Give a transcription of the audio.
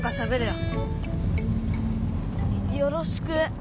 よろしく。